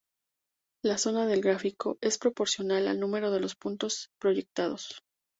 La zona del gráfico es proporcional al número de los puntos proyectados.